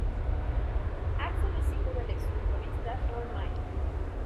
Axel es hijo del ex futbolista Roy Myers.